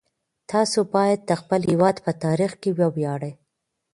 تاسو باید د خپل هیواد په تاریخ وویاړئ.